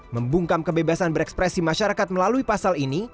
membungkam kebebasan berekspresi masyarakat melalui pasal ini